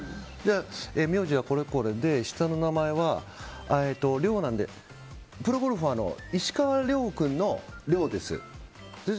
名字はこれこれで、下の名前は「遼」なのでプロゴルファーの石川遼君の「遼」ですって。